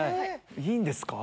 いいんですか？